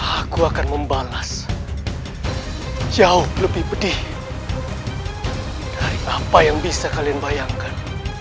aku akan membalas jauh lebih pedih dari apa yang bisa kalian bayangkan